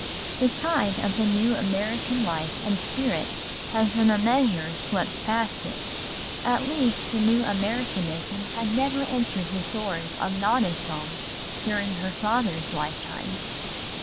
The tide of the new American life and spirit has in a measure swept past it. At least the new Americanism had never entered the doors of Nona's home during her father's lifetime.